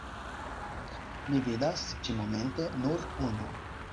Mi vidas ĉi-momente nur unu.